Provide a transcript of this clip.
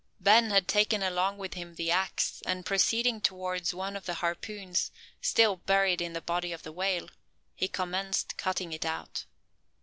Ben had taken along with him the axe; and, proceeding towards one of the harpoons, still buried in the body of the whale, he commenced cutting it out.